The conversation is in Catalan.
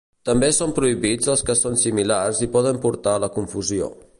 També són prohibits els que són similars i poden portar a la confusió.